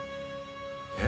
えっ？